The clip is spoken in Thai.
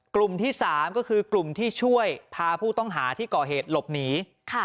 กลุ่มที่สามก็คือกลุ่มที่ช่วยพาผู้ต้องหาที่ก่อเหตุหลบหนีค่ะ